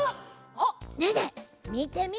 ねえねえみてみて。